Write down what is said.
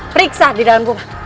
periksa di dalam rumah